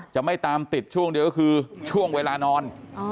จะไม่ตามติดช่วงเดียวก็คือช่วงเวลานอน